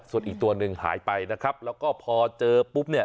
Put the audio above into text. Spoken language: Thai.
ส่วนอีกตัวหนึ่งหายไปนะครับแล้วก็พอเจอปุ๊บเนี่ย